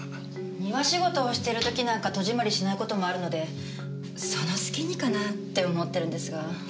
庭仕事をしてる時なんか戸締まりしない事もあるのでその隙にかなって思ってるんですが。